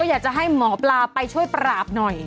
อยากจะให้หมอปลาไปช่วยปราบหน่อย